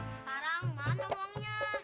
sebarang mana uangnya